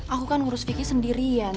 aku kan ngurus kiki sendirian